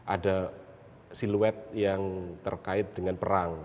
ada siluet yang terkait dengan perang